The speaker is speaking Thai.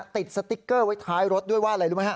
สติ๊กเกอร์ไว้ท้ายรถด้วยว่าอะไรรู้ไหมฮะ